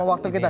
jadi pak piga